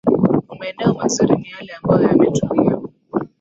Maeneo mazuri ni yale ambayo yametulia